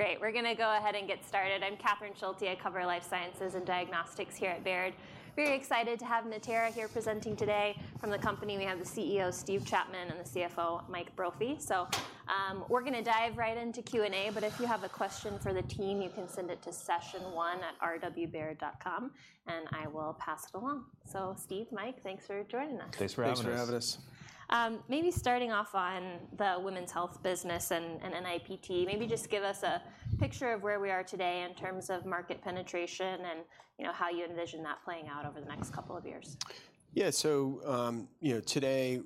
All right, great. We're gonna go ahead and get started. I'm Catherine Schulte. I cover life sciences and diagnostics here at Baird. Very excited to have Natera here presenting today. From the company, we have the CEO, Steve Chapman, and the CFO, Mike Brophy. So, we're gonna dive right into Q&A, but if you have a question for the team, you can send it to session1@rwbaird.com, and I will pass it along. So Steve, Mike, thanks for joining us. Thanks for having us. Thanks for having us. Maybe starting off on the women's health business and NIPT, maybe just give us a picture of where we are today in terms of market penetration and, you know, how you envision that playing out over the next couple of years. Yeah. So, you know, today,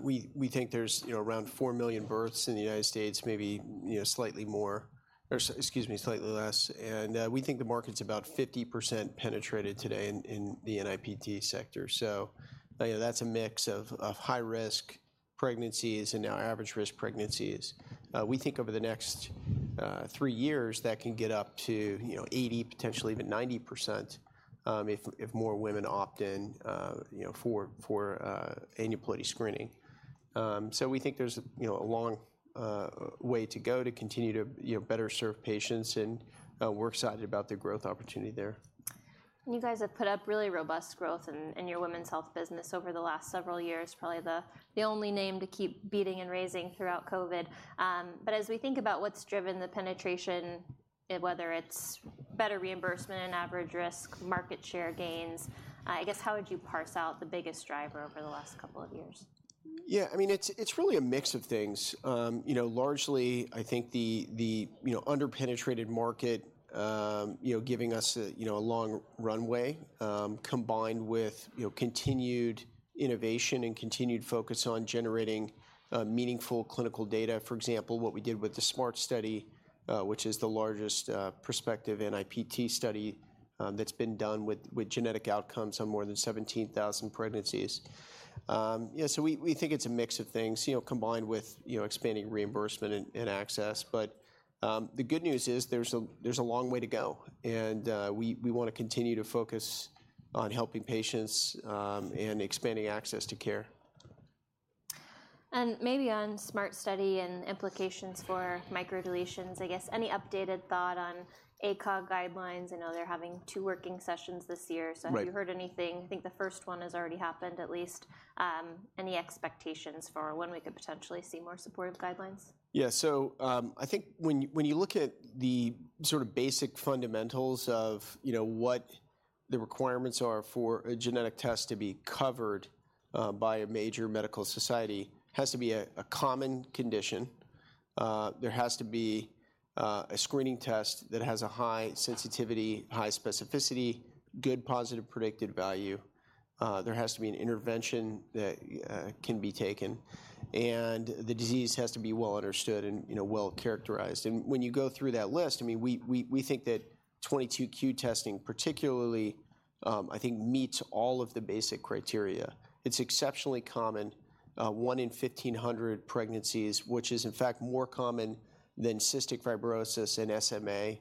we think there's, you know, around 4 million births in the United States, maybe, you know, slightly more, or excuse me, slightly less, and we think the market's about 50% penetrated today in the NIPT sector. So, you know, that's a mix of high-risk pregnancies and now average-risk pregnancies. We think over the next three years, that can get up to, you know, 80%, potentially even 90%, if more women opt in, you know, for aneuploidy screening. So we think there's, you know, a long way to go to continue to, you know, better serve patients, and we're excited about the growth opportunity there. You guys have put up really robust growth in your women's health business over the last several years, probably the only name to keep beating and raising throughout COVID. But as we think about what's driven the penetration, whether it's better reimbursement in average-risk, market share gains, I guess, how would you parse out the biggest driver over the last couple of years? Yeah, I mean, it's really a mix of things. You know, largely, I think the under-penetrated market, you know, giving us a long runway, combined with, you know, continued innovation and continued focus on generating meaningful clinical data. For example, what we did with the SMART Study, which is the largest prospective NIPT study, that's been done with genetic outcomes on more than 17,000 pregnancies. Yeah, so we think it's a mix of things, you know, combined with, you know, expanding reimbursement and access. But the good news is, there's a long way to go, and we wanna continue to focus on helping patients and expanding access to care. Maybe on SMART Study and implications for microdeletions, I guess any updated thought on ACOG guidelines? I know they're having two working sessions this year. Right. So have you heard anything? I think the first one has already happened, at least. Any expectations for when we could potentially see more supportive guidelines? Yeah. So, I think when you look at the sort of basic fundamentals of, you know, what the requirements are for a genetic test to be covered by a major medical society, has to be a common condition. There has to be a screening test that has a high sensitivity, high specificity, good positive predictive value. There has to be an intervention that can be taken, and the disease has to be well understood and, you know, well characterized. And when you go through that list, I mean, we think that 22q testing, particularly, I think, meets all of the basic criteria. It's exceptionally common, one in 1,500 pregnancies, which is, in fact, more common than cystic fibrosis and SMA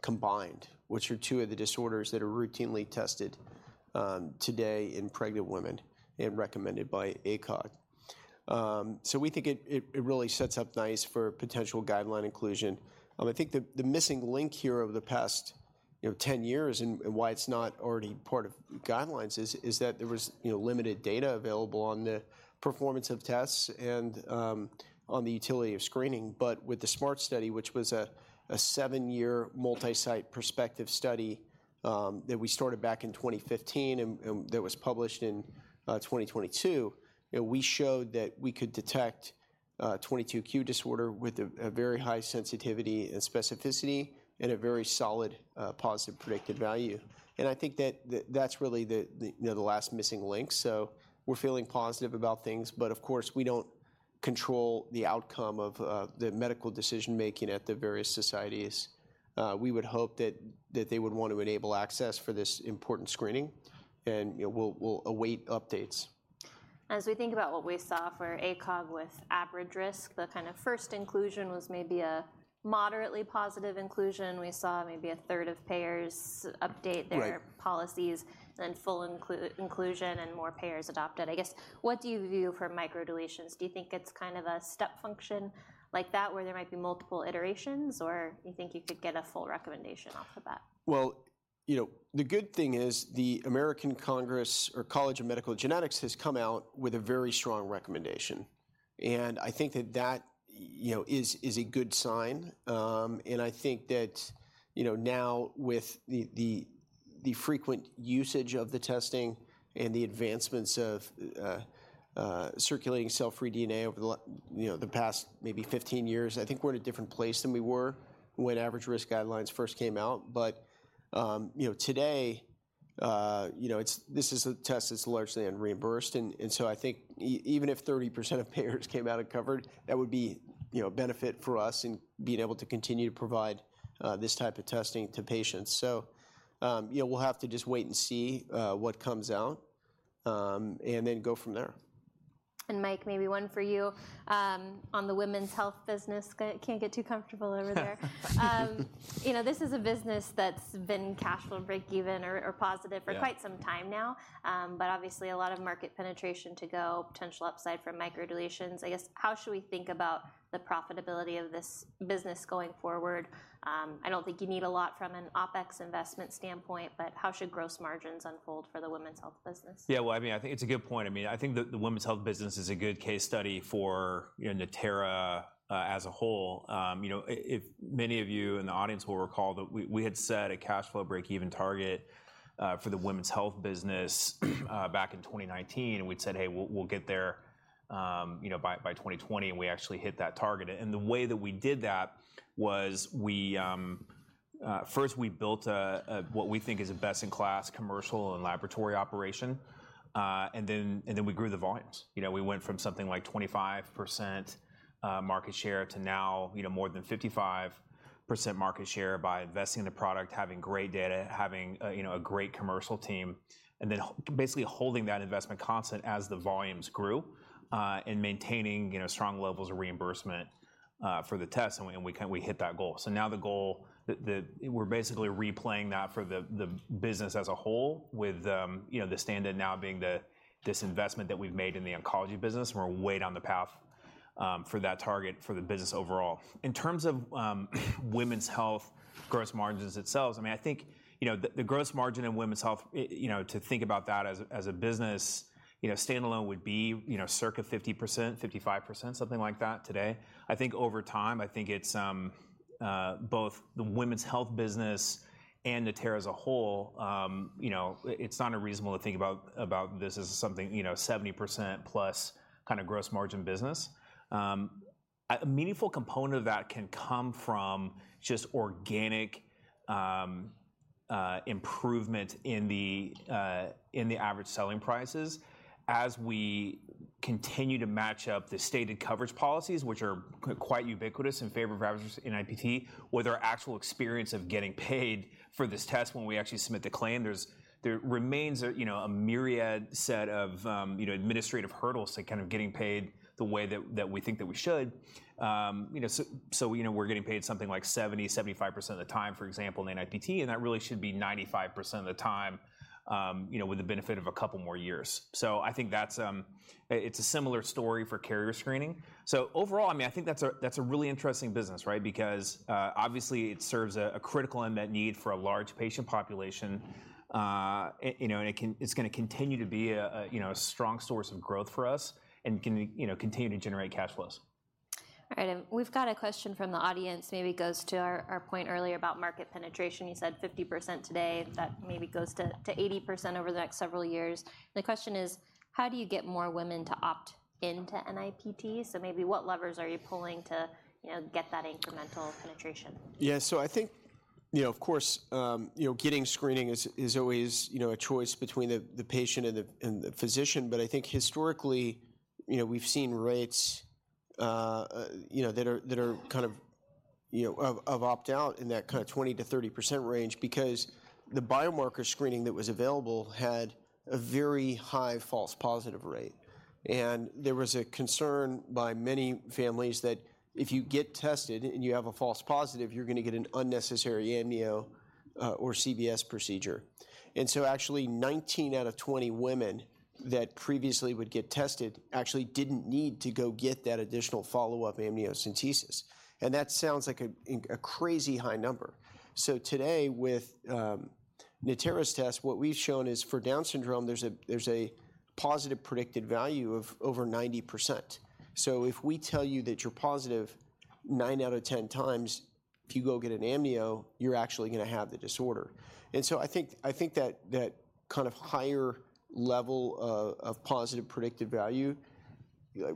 combined, which are two of the disorders that are routinely tested today in pregnant women and recommended by ACOG. So we think it really sets up nice for potential guideline inclusion. I think the missing link here over the past 10 years and why it's not already part of guidelines is that there was limited data available on the performance of tests and on the utility of screening. But with the SMART Study, which was a seven-year, multi-site prospective study, that we started back in 2015 and that was published in 2022, you know, we showed that we could detect 22q disorder with a very high sensitivity and specificity and a very solid positive predictive value. And I think that that's really the you know the last missing link. So we're feeling positive about things, but of course, we don't control the outcome of the medical decision-making at the various societies. We would hope that they would want to enable access for this important screening, and you know we'll await updates. As we think about what we saw for ACOG with average risk, the kind of first inclusion was maybe a moderately positive inclusion. We saw maybe a third of payers update their- Right... policies, then full inclusion, and more payers adopted. I guess, what do you view for microdeletions? Do you think it's kind of a step function like that, where there might be multiple iterations, or you think you could get a full recommendation off the bat? Well, you know, the good thing is, the American College of Medical Genetics has come out with a very strong recommendation, and I think that that, you know, is, is a good sign. And I think that, you know, now with the frequent usage of the testing and the advancements of circulating cell-free DNA over the past maybe 15 years, I think we're in a different place than we were when average-risk guidelines first came out. But, you know, today, you know, it's this is a test that's largely unreimbursed, and so I think even if 30% of payers came out and covered, that would be, you know, a benefit for us in being able to continue to provide this type of testing to patients. You know, we'll have to just wait and see what comes out and then go from there. And Mike, maybe one for you, on the women's health business. Can't get too comfortable over there... you know, this is a business that's been cash flow break even or positive- Yeah. for quite some time now. But obviously a lot of market penetration to go, potential upside from microdeletions. I guess, how should we think about the profitability of this business going forward? I don't think you need a lot from an OpEx investment standpoint, but how should gross margins unfold for the women's health business? Yeah. Well, I mean, I think it's a good point. I mean, I think the women's health business is a good case study for, you know, Natera, as a whole. You know, if many of you in the audience will recall that we had set a cash flow breakeven target for the women's health business back in 2019, and we'd said: "Hey, we'll get there, you know, by 2020," and we actually hit that target. And the way that we did that was we first built a what we think is a best-in-class commercial and laboratory operation, and then we grew the volumes. You know, we went from something like 25% market share to now, you know, more than 55% market share by investing in the product, having great data, having a, you know, a great commercial team, and then basically holding that investment constant as the volumes grew, and maintaining, you know, strong levels of reimbursement for the test, and we, and we we hit that goal. So now the goal that, that... We're basically replaying that for the business as a whole, with, you know, the standard now being this investment that we've made in the oncology business, and we're way down the path for that target for the business overall. In terms of women's health gross margins itself, I mean, I think you know, the gross margin in women's health, you know, to think about that as a business, you know, standalone would be, you know, circa 50%, 55%, something like that today. I think over time, I think it's both the women's health business and Natera as a whole, you know, it's not unreasonable to think about this as something, you know, 70% plus kind of gross margin business. A meaningful component of that can come from just organic improvement in the average selling prices as we continue to match up the stated coverage policies, which are quite ubiquitous in favor of averages in NIPT, with our actual experience of getting paid for this test when we actually submit the claim. There remains a myriad set of administrative hurdles to kind of getting paid the way that we think that we should. So we're getting paid something like 75% of the time, for example, in NIPT, and that really should be 95% of the time, with the benefit of a couple more years. So I think that's... it's a similar story for carrier screening. So overall, I mean, I think that's a really interesting business, right? Because obviously, it serves a critical unmet need for a large patient population. It, you know, and it can—it's gonna continue to be a, you know, a strong source of growth for us and can, you know, continue to generate cash flows. All right, and we've got a question from the audience. Maybe it goes to our, our point earlier about market penetration. You said 50% today, that maybe goes to, to 80% over the next several years. The question is: How do you get more women to opt in to NIPT? So maybe what levers are you pulling to, you know, get that incremental penetration? Yeah. So I think, you know, of course, you know, getting screening is always a choice between the patient and the physician. But I think historically, you know, we've seen rates you know that are kind of you know of opt-out in that kind of 20%-30% range because the biomarker screening that was available had a very high false positive rate. And there was a concern by many families that if you get tested and you have a false positive, you're gonna get an unnecessary amnio or CVS procedure. And so actually, 19 out of 20 women that previously would get tested actually didn't need to go get that additional follow-up amniocentesis, and that sounds like a crazy high number. So today, with Natera's test, what we've shown is, for Down syndrome, there's a positive predictive value of over 90%. So if we tell you that you're positive, nine out of 10x, if you go get an amnio, you're actually gonna have the disorder. And so I think that kind of higher level of positive predictive value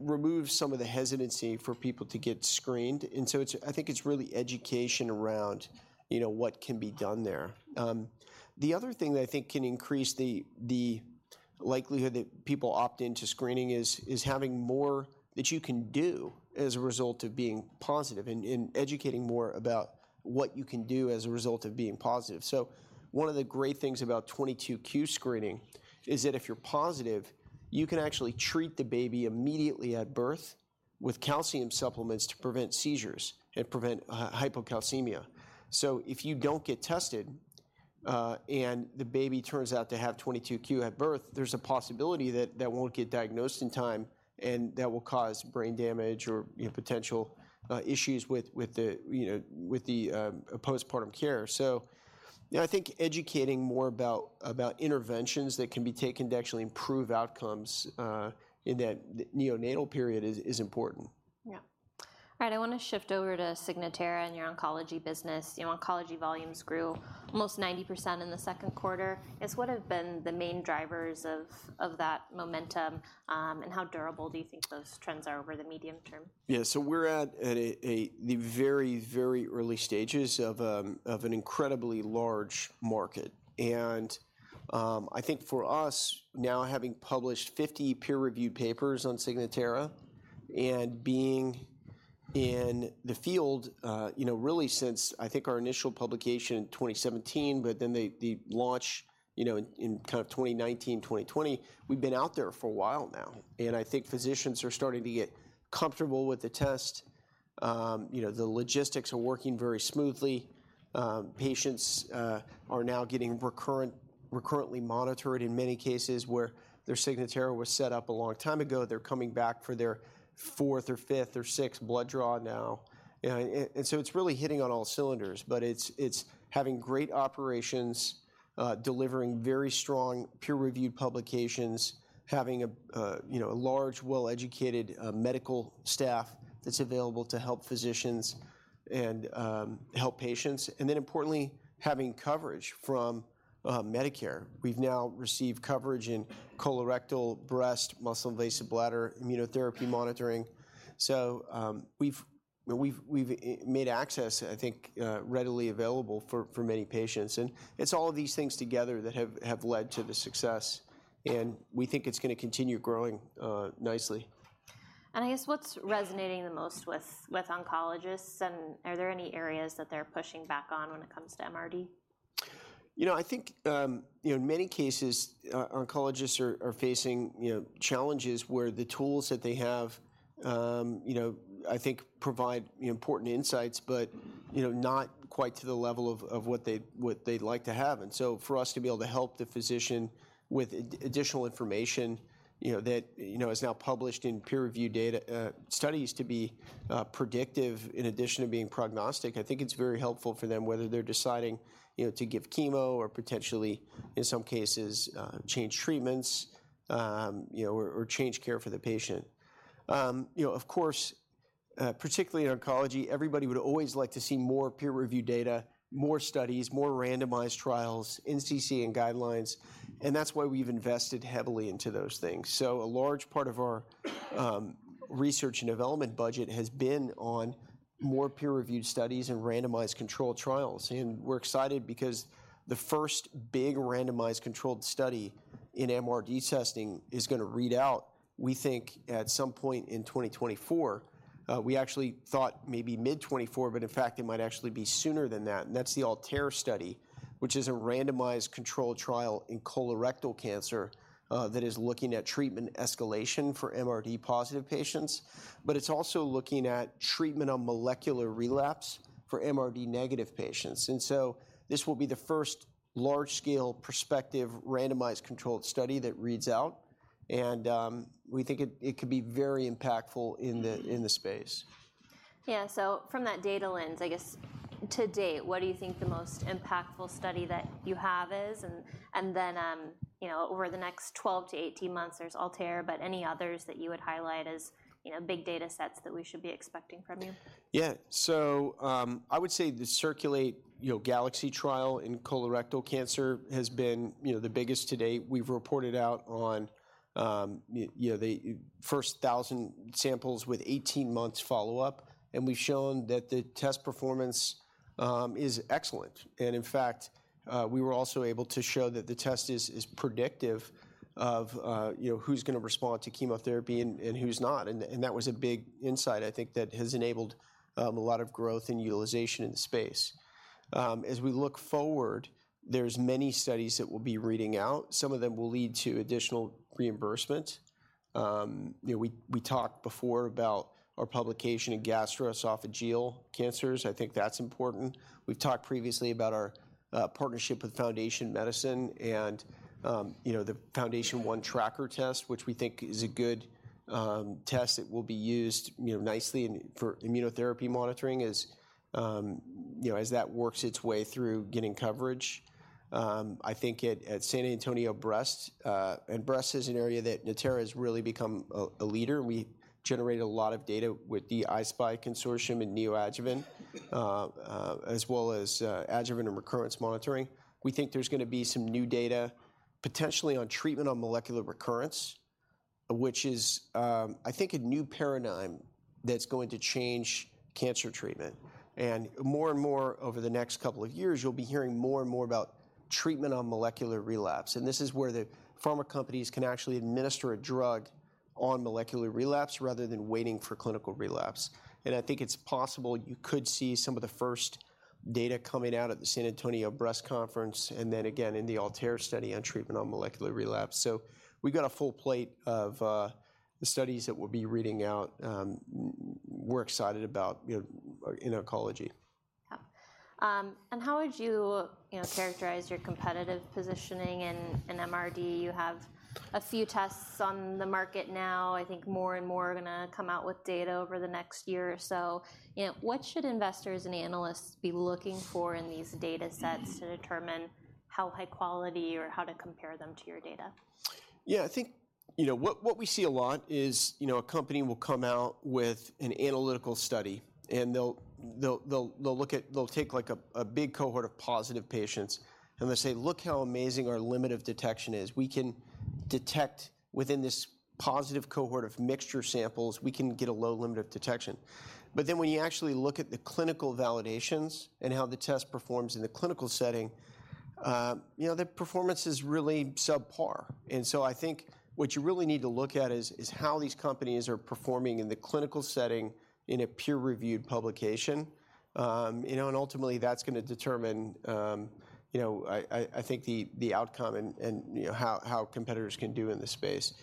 removes some of the hesitancy for people to get screened. And so it's... I think it's really education around, you know, what can be done there. The other thing that I think can increase the likelihood that people opt in to screening is having more that you can do as a result of being positive and educating more about what you can do as a result of being positive. So one of the great things about 22q screening is that if you're positive, you can actually treat the baby immediately at birth with calcium supplements to prevent seizures and prevent hypocalcemia. So if you don't get tested, and the baby turns out to have 22q at birth, there's a possibility that that won't get diagnosed in time, and that will cause brain damage or, you know, potential issues with the postpartum care. So, you know, I think educating more about interventions that can be taken to actually improve outcomes in that neonatal period is important. Yeah. All right, I wanna shift over to Signatera and your oncology business. You know, oncology volumes grew almost 90% in the second quarter. I guess, what have been the main drivers of, of that momentum, and how durable do you think those trends are over the medium term? Yeah. So we're at the very, very early stages of an incredibly large market. And I think for us, now having published 50 peer-reviewed papers on Signatera and being in the field, you know, really since, I think, our initial publication in 2017, but then the launch, you know, in kind of 2019, 2020, we've been out there for a while now. And I think physicians are starting to get comfortable with the test- You know, the logistics are working very smoothly. Patients are now getting recurrently monitored in many cases where their Signatera was set up a long time ago. They're coming back for their fourth or fifth or sixth blood draw now. And so it's really hitting on all cylinders. But it's having great operations, delivering very strong peer-reviewed publications, having a, you know, a large, well-educated medical staff that's available to help physicians and help patients, and then importantly, having coverage from Medicare. We've now received coverage in colorectal, breast, muscle-invasive bladder, immunotherapy monitoring. So, we've made access, I think, readily available for many patients. And it's all of these things together that have led to the success, and we think it's gonna continue growing nicely. I guess what's resonating the most with oncologists, and are there any areas that they're pushing back on when it comes to MRD? You know, I think you know, in many cases, oncologists are facing you know, challenges where the tools that they have you know, I think provide important insights, but you know, not quite to the level of what they'd like to have. And so for us to be able to help the physician with additional information, you know, that you know, is now published in peer-reviewed data studies to be predictive in addition to being prognostic, I think it's very helpful for them, whether they're deciding you know, to give chemo or potentially, in some cases, change treatments you know, or change care for the patient. You know, of course, particularly in oncology, everybody would always like to see more peer-reviewed data, more studies, more randomized trials, NCCN guidelines, and that's why we've invested heavily into those things. So a large part of our research and development budget has been on more peer-reviewed studies and randomized controlled trials. And we're excited because the first big randomized controlled study in MRD testing is gonna read out, we think, at some point in 2024. We actually thought maybe mid-2024, but in fact, it might actually be sooner than that, and that's the ALTAIR study, which is a randomized controlled trial in colorectal cancer, that is looking at treatment escalation for MRD positive patients, but it's also looking at treatment on molecular relapse for MRD negative patients. So this will be the first large-scale, prospective, randomized controlled study that reads out, and we think it could be very impactful in the- Mm-hmm. in the space. Yeah, so from that data lens, I guess, to date, what do you think the most impactful study that you have is? And, and then, you know, over the next 12-18 months, there's ALTAIR, but any others that you would highlight as, you know, big data sets that we should be expecting from you? Yeah. So, I would say the CIRCULATE, you know, GALAXY trial in colorectal cancer has been, you know, the biggest to date. We've reported out on, you know, the first 1,000 samples with 18 months follow-up, and we've shown that the test performance is excellent. And in fact, we were also able to show that the test is predictive of, you know, who's gonna respond to chemotherapy and who's not. And that was a big insight, I think, that has enabled a lot of growth and utilization in the space. As we look forward, there's many studies that we'll be reading out. Some of them will lead to additional reimbursement. You know, we talked before about our publication in gastroesophageal cancers. I think that's important. We've talked previously about our partnership with Foundation Medicine and, you know, the FoundationOne Tracker test, which we think is a good test that will be used, you know, nicely and for immunotherapy monitoring as, you know, as that works its way through getting coverage. I think at San Antonio Breast, and breast is an area that Natera has really become a leader. We generated a lot of data with the I-SPY consortium in neoadjuvant, as well as, adjuvant and recurrence monitoring. We think there's gonna be some new data, potentially on treatment of molecular recurrence, which is, I think, a new paradigm that's going to change cancer treatment. More and more over the next couple of years, you'll be hearing more and more about treatment on molecular relapse, and this is where the pharma companies can actually administer a drug on molecular relapse rather than waiting for clinical relapse. And I think it's possible you could see some of the first data coming out at the San Antonio Breast Cancer Symposium, and then again in the ALTAIR study on treatment on molecular relapse. So we've got a full plate of the studies that we'll be reading out, we're excited about, you know, in oncology. Yeah. How would you, you know, characterize your competitive positioning in MRD? You have a few tests on the market now. I think more and more are gonna come out with data over the next year or so. You know, what should investors and analysts be looking for in these data sets to determine how high quality or how to compare them to your data? Yeah, I think, you know, what we see a lot is, you know, a company will come out with an analytical study, and they'll look at, they'll take, like, a big cohort of positive patients, and they'll say: "Look how amazing our limit of detection is. We can detect within this positive cohort of mixture samples, we can get a low limit of detection." But then, when you actually look at the clinical validations and how the test performs in the clinical setting, you know, the performance is really subpar. And so I think what you really need to look at is how these companies are performing in the clinical setting in a peer-reviewed publication. You know, and ultimately, that's gonna determine, you know, I think the outcome and, you know, how competitors can do in this space.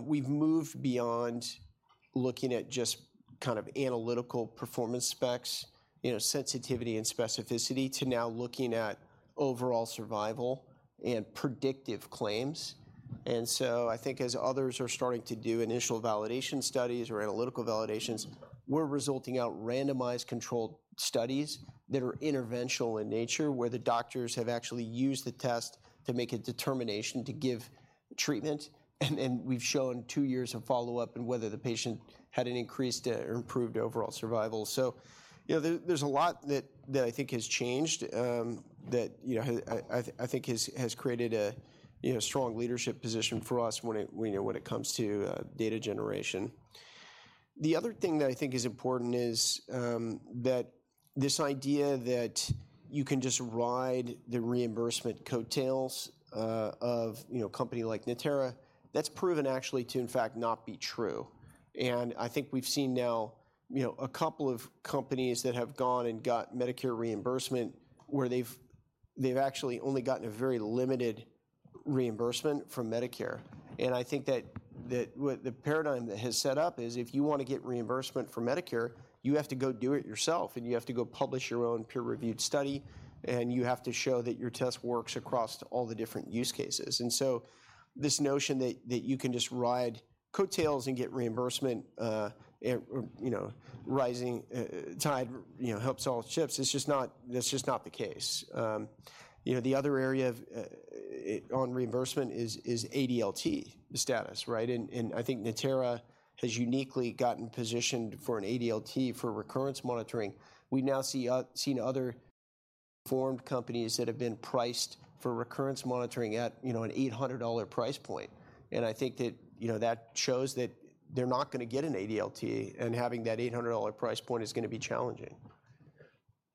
We've moved beyond looking at just kind of analytical performance specs, you know, sensitivity and specificity, to now looking at overall survival and predictive claims. And so I think as others are starting to do initial validation studies or analytical validations, we're rolling out randomized controlled studies that are interventional in nature, where the doctors have actually used the test to make a determination to give treatment. And we've shown two years of follow-up and whether the patient had an increased or improved overall survival. So, you know, there's a lot that I think has changed, that, you know, I think has created a strong leadership position for us when it, you know, when it comes to data generation. The other thing that I think is important is that this idea that you can just ride the reimbursement coattails of, you know, a company like Natera, that's proven actually to, in fact, not be true. And I think we've seen now, you know, a couple of companies that have gone and got Medicare reimbursement, where they've actually only gotten a very limited reimbursement from Medicare. I think that what the paradigm that has set up is, if you wanna get reimbursement from Medicare, you have to go do it yourself, and you have to go publish your own peer-reviewed study, and you have to show that your test works across all the different use cases. And so this notion that you can just ride coattails and get reimbursement, you know, rising tide, you know, helps all ships, it's just not. That's just not the case. You know, the other area of on reimbursement is ADLT status, right? And I think Natera has uniquely gotten positioned for an ADLT for recurrence monitoring. We now see other firms that have been priced for recurrence monitoring at, you know, an $800 price point. I think that, you know, that shows that they're not gonna get an ADLT, and having that $800 price point is gonna be challenging.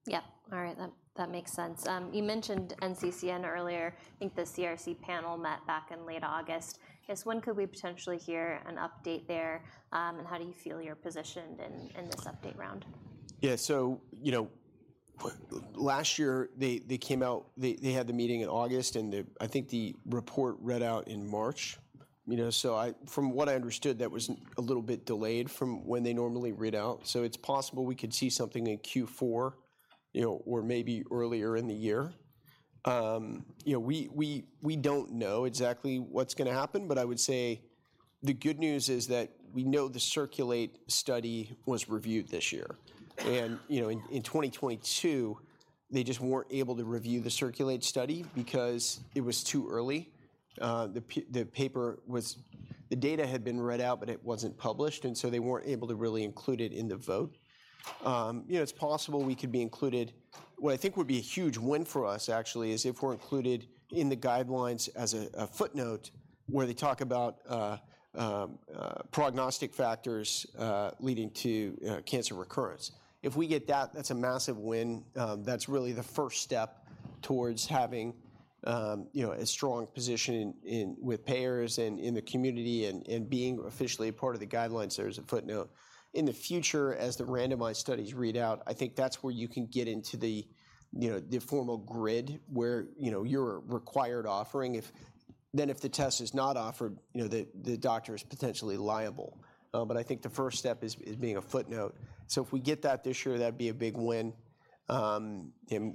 Yep. All right. That makes sense. You mentioned NCCN earlier. I think the CRC panel met back in late August. I guess when could we potentially hear an update there? And how do you feel you're positioned in this update round? Yeah. So, you know, last year, they came out... They had the meeting in August, and I think the report read out in March. You know, so from what I understood, that was a little bit delayed from when they normally read out, so it's possible we could see something in Q4, you know, or maybe earlier in the year. You know, we don't know exactly what's gonna happen, but I would say the good news is that we know the CIRCULATE study was reviewed this year. And, you know, in 2022, they just weren't able to review the CIRCULATE study because it was too early. The data had been read out, but it wasn't published, and so they weren't able to really include it in the vote. You know, it's possible we could be included. What I think would be a huge win for us, actually, is if we're included in the guidelines as a footnote, where they talk about prognostic factors leading to cancer recurrence. If we get that, that's a massive win. That's really the first step towards having, you know, a strong position in with payers and in the community and being officially a part of the guidelines as a footnote. In the future, as the randomized studies read out, I think that's where you can get into the formal grid, where you're a required offering. If then if the test is not offered, you know, the doctor is potentially liable. But I think the first step is being a footnote. So if we get that this year, that'd be a big win, and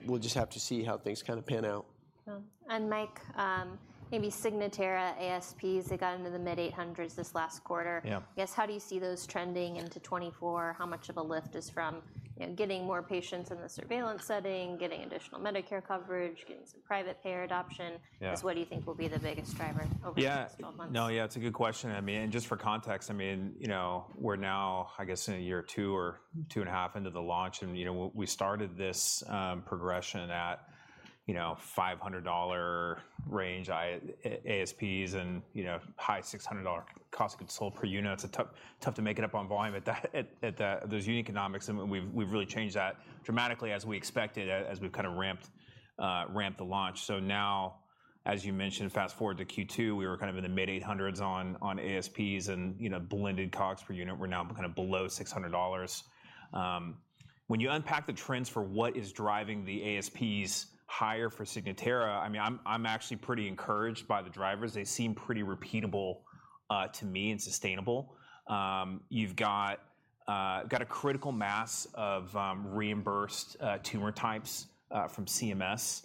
we'll just have to see how things kind of pan out. Well, and Mike, maybe Signatera ASPs, they got into the mid-$800s this last quarter. Yeah. I guess, how do you see those trending into 2024? How much of a lift is from, you know, getting more patients in the surveillance setting, getting additional Medicare coverage, getting some private payer adoption- Yeah... is what do you think will be the biggest driver over the next 12 months? Yeah. No, yeah, it's a good question. I mean, and just for context, I mean, you know, we're now, I guess, in a year or two or two and a half into the launch, and, you know, we started this progression at, you know, $500 range ASPs and, you know, high $600 cost of goods sold per unit. It's a tough, tough to make it up on volume at that, at, at that, those unit economics, and we've, we've really changed that dramatically as we expected, as, as we've kind of ramped the launch. So now, as you mentioned, fast-forward to Q2, we were kind of in the mid-$800s on ASPs and, you know, blended COGS per unit. We're now kind of below $600. When you unpack the trends for what is driving the ASPs higher for Signatera, I mean, I'm actually pretty encouraged by the drivers. They seem pretty repeatable to me, and sustainable. You've got a critical mass of reimbursed tumor types from CMS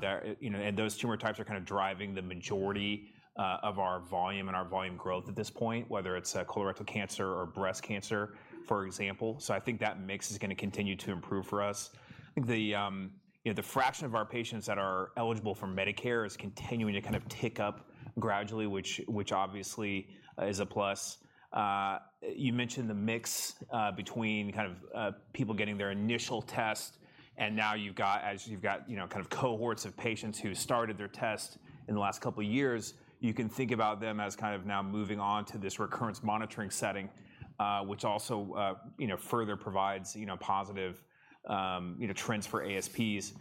there, you know, and those tumor types are kind of driving the majority of our volume and our volume growth at this point, whether it's colorectal cancer or breast cancer, for example. So I think that mix is gonna continue to improve for us. I think, you know, the fraction of our patients that are eligible for Medicare is continuing to kind of tick up gradually, which obviously is a plus. You mentioned the mix between kind of people getting their initial test, and now you've got, as you've got, you know, kind of cohorts of patients who started their test in the last couple of years, you can think about them as kind of now moving on to this recurrence monitoring setting, which also, you know, further provides, you know, positive, you know, trends for ASPs.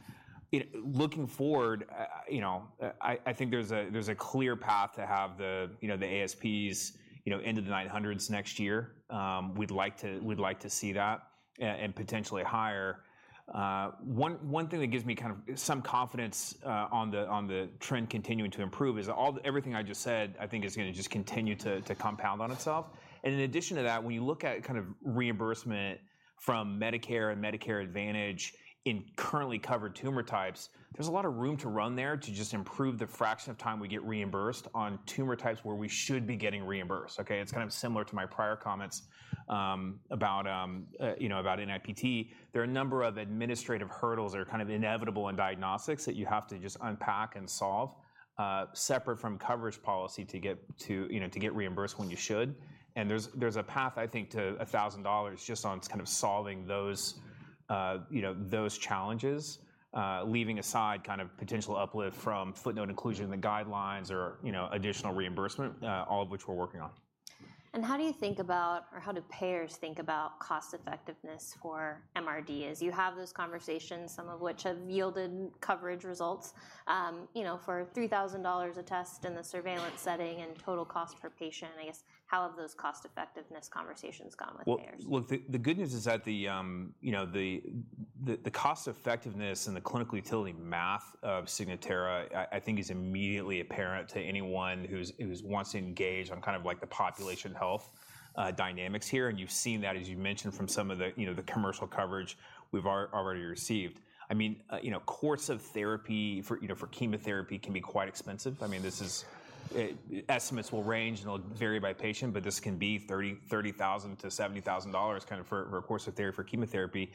You know, looking forward, you know, I think there's a clear path to have the, you know, the ASPs, you know, into the 900s next year. We'd like to see that, and potentially higher. One thing that gives me kind of some confidence on the trend continuing to improve is all everything I just said. I think is gonna just continue to compound on itself. In addition to that, when you look at kind of reimbursement from Medicare and Medicare Advantage in currently covered tumor types, there's a lot of room to run there to just improve the fraction of time we get reimbursed on tumor types where we should be getting reimbursed, okay? It's kind of similar to my prior comments about you know about NIPT. There are a number of administrative hurdles that are kind of inevitable in diagnostics that you have to just unpack and solve separate from coverage policy to get to you know to get reimbursed when you should. There's a path, I think, to $1,000 just on kind of solving those, you know, those challenges, leaving aside kind of potential uplift from footnote inclusion in the guidelines or, you know, additional reimbursement, all of which we're working on. How do you think about or how do payers think about cost effectiveness for MRD? As you have those conversations, some of which have yielded coverage results, you know, for $3,000 a test in the surveillance setting and total cost per patient, I guess, how have those cost effectiveness conversations gone with payers? Well, the good news is that the, you know, the cost effectiveness and the clinical utility math of Signatera, I think is immediately apparent to anyone who wants to engage on kind of like the population health dynamics here. And you've seen that, as you've mentioned, from some of the, you know, the commercial coverage we've already received. I mean, you know, course of therapy for, you know, for chemotherapy can be quite expensive. I mean, this is... Estimates will range, and they'll vary by patient, but this can be $30,000-$70,000, kind of for a course of therapy for chemotherapy.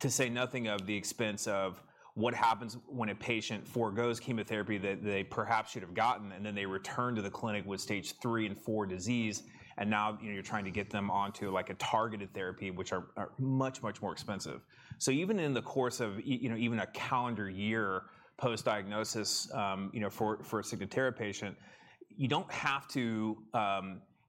To say nothing of the expense of what happens when a patient forgoes chemotherapy that they perhaps should have gotten, and then they return to the clinic with stage III and IV disease, and now, you know, you're trying to get them onto, like, a targeted therapy, which are much, much more expensive. So even in the course of you know, even a calendar year postdiagnosis, you know, for a Signatera patient, you don't have to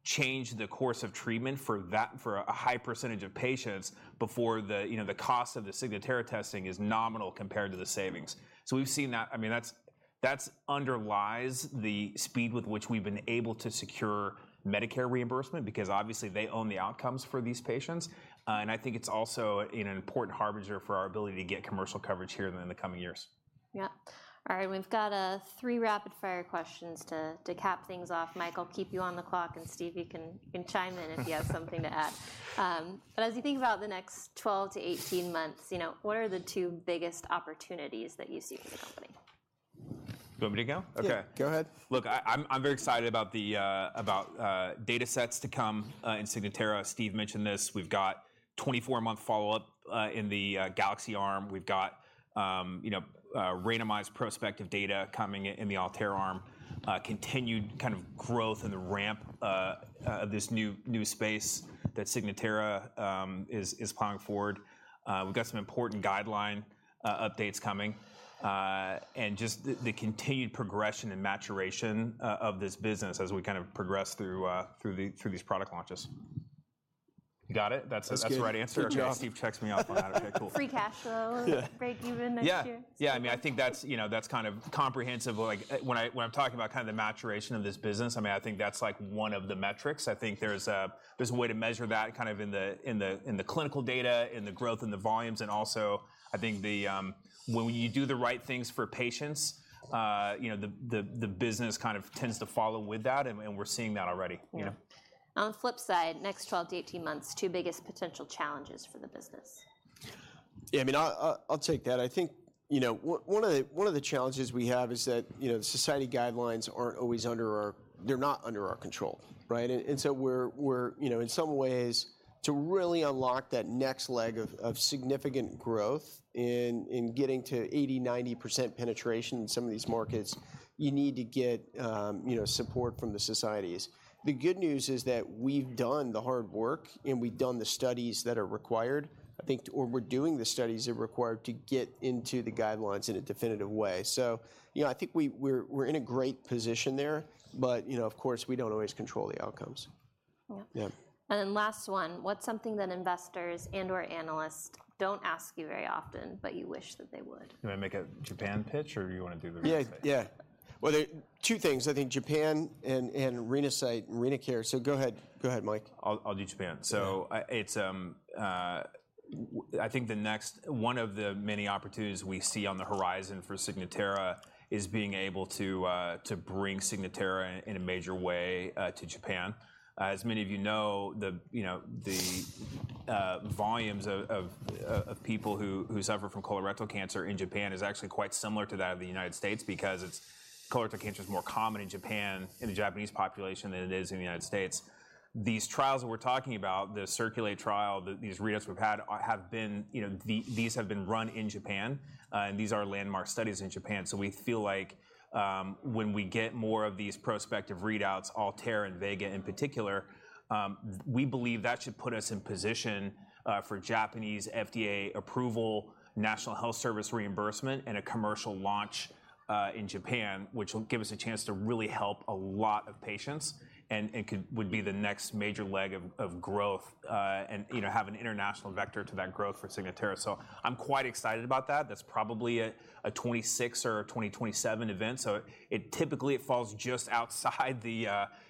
change the course of treatment for that for a high percentage of patients before the, you know, the cost of the Signatera testing is nominal compared to the savings. So we've seen that. I mean, that's, that's underlies the speed with which we've been able to secure Medicare reimbursement, because obviously, they own the outcomes for these patients. And I think it's also, you know, an important harbinger for our ability to get commercial coverage here in the coming years. Yeah. All right, we've got three rapid-fire questions to cap things off. Mike, I'll keep you on the clock, and Steve, you can chime in if you have something to add. But as you think about the next 12-18 months, you know, what are the two biggest opportunities that you see for the company? You want me to go? Yeah. Okay. Go ahead. Look, I'm very excited about the data sets to come in Signatera. Steve mentioned this. We've got 24 month follow-up in the GALAXY arm. We've got, you know, randomized prospective data coming in in the ALTAIR arm. Continued kind of growth in the ramp this new space that Signatera is plowing forward. We've got some important guideline updates coming and just the continued progression and maturation of this business as we kind of progress through these product launches. You got it? That's good. That's the right answer? Good job. Okay, Steve checks me off on that. Okay, cool. Free cash flow- Yeah... break even next year. Yeah. Yeah, I mean, I think that's, you know, that's kind of comprehensive. Like, when I'm talking about kind of the maturation of this business, I mean, I think that's, like, one of the metrics. I think there's a way to measure that kind of in the clinical data, in the growth, in the volumes, and also, I think when you do the right things for patients, you know, the business kind of tends to follow with that, and we're seeing that already, you know? On the flip side, next 12-18 months, two biggest potential challenges for the business. Yeah, I mean, I'll take that. I think, you know, one of the challenges we have is that, you know, society guidelines aren't always under our... They're not under our control, right? And so we're... You know, in some ways, to really unlock that next leg of significant growth in getting to 80%-90% penetration in some of these markets, you need to get, you know, support from the societies. The good news is that we've done the hard work, and we've done the studies that are required, I think, or we're doing the studies that are required to get into the guidelines in a definitive way. So, you know, I think we're in a great position there, but, you know, of course, we don't always control the outcomes. Yeah. Yeah. Last one: What's something that investors and/or analysts don't ask you very often, but you wish that they would? You want me to make a Japan pitch, or do you want to do the Renasight? Yeah, yeah. Well, there are two things, I think Japan and Renasight, RenaCARE. So go ahead. Go ahead, Mike. I'll do Japan. Yeah. I think the next one of the many opportunities we see on the horizon for Signatera is being able to bring Signatera in a major way to Japan. As many of you know, you know the volumes of people who suffer from colorectal cancer in Japan is actually quite similar to that of the United States because colorectal cancer is more common in Japan, in the Japanese population, than it is in the United States. These trials that we're talking about, the CIRCULATE trial, these readouts we've had, have been, you know, these have been run in Japan, and these are landmark studies in Japan. So we feel like, when we get more of these prospective readouts, ALTAIR and VEGA in particular, we believe that should put us in position, for Japanese FDA approval, National Health Service reimbursement, and a commercial launch, in Japan, which will give us a chance to really help a lot of patients, and it could—would be the next major leg of growth, and, you know, have an international vector to that growth for Signatera. So I'm quite excited about that. That's probably a 2026 or a 2027 event, so it typically falls just outside the,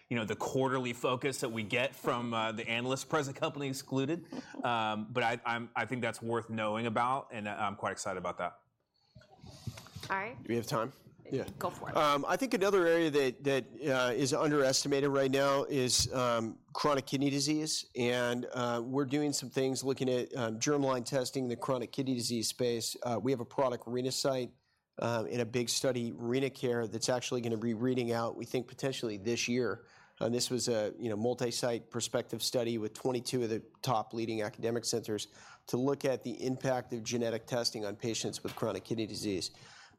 you know, the quarterly focus that we get from, the analysts present, company excluded. But I think that's worth knowing about, and, I'm quite excited about that. All right. Do we have time? Yeah. Go for it. I think another area that is underestimated right now is chronic kidney disease, and we're doing some things looking at germline testing in the chronic kidney disease space. We have a product, Renasight, in a big study, RenaCARE, that's actually gonna be reading out, we think, potentially this year. And this was, you know, multi-site prospective study with 22 of the top leading academic centers to look at the impact of genetic testing on patients with chronic kidney disease.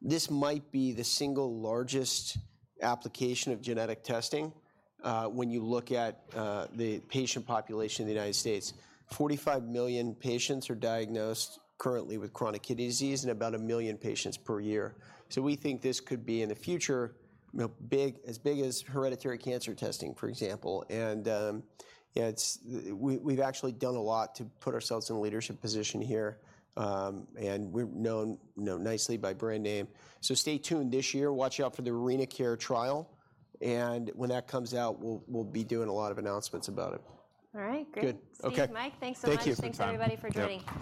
This might be the single largest application of genetic testing when you look at the patient population in the United States. 45 million patients are diagnosed currently with chronic kidney disease and about 1 million patients per year. So we think this could be, in the future, you know, big, as big as hereditary cancer testing, for example. Yeah, it's—we've actually done a lot to put ourselves in a leadership position here, and we're known nicely by brand name. So stay tuned this year. Watch out for the RenaCARE trial, and when that comes out, we'll be doing a lot of announcements about it. All right, great. Good. Okay. Steve, Mike, thanks so much. Thank you for your time. Thanks, everybody, for joining.